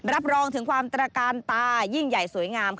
รับรองถึงความตระการตายิ่งใหญ่สวยงาม